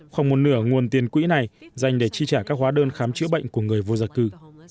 khoảng một nửa nguồn tiền quỹ này dành để chi trả các hóa đơn khám chữa bệnh của người vô gia cư